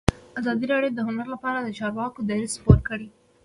ازادي راډیو د هنر لپاره د چارواکو دریځ خپور کړی.